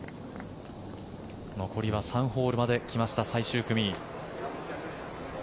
残りは３ホールまで来ました最終組。